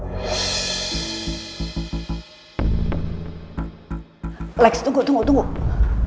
kaun porsche sedang ingin datang kembali